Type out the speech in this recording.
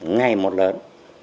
ngày một lớn